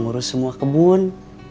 urus semua kebun